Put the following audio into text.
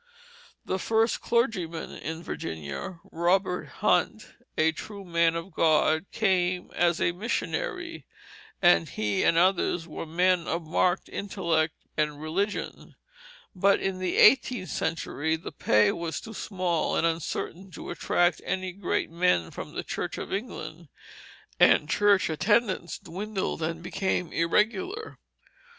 The first clergyman in Virginia, Robert Hunt, a true man of God, came as a missionary, and he and others were men of marked intellect and religion, but in the eighteenth century the pay was too small and uncertain to attract any great men from the Church of England, and church attendance dwindled and became irregular.